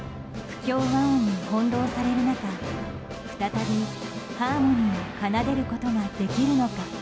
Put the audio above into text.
不協和音に翻弄される中再びハーモニーを奏でることができるのか。